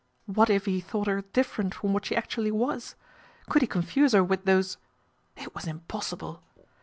What if he thought her different from what she actually was ? Could he confuse her with those It was impossible!